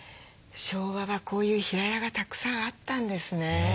昭和はこういう平屋がたくさんあったんですね。